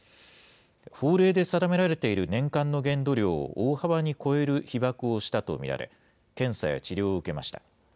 法令で定められている年間の限度量を大幅に超える被ばくをしたと見られ、検査や治療を受けました。